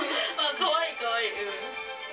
かわいい、かわいい。